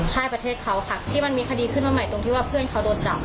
ใช่ประเทศเขาค่ะที่มันมีคดีขึ้นมาใหม่ตรงที่ว่าเพื่อนเขาโดนจับ